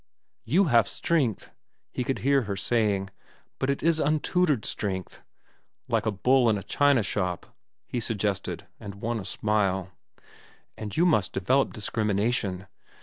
"You have strength," he could hear her saying, "but it is untutored strength." "Like a bull in a china shop," he suggested, and won a smile. "And you must develop discrimination.